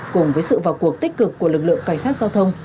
cùng với sự vào cuộc tích cực của lực lượng cảnh sát giao thông